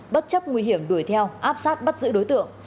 bất chấp nguy hiểm đuổi theo áp sát bắt giữ đối tượng